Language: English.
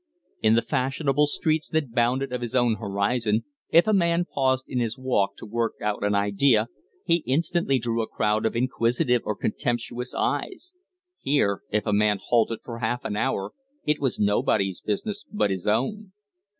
In the fashionable streets that bounded his own horizon, if a man paused in his walk to work out an idea he instantly drew a crowd of inquisitive or contemptuous eyes; here, if a man halted for half an hour it was nobody's business but his own.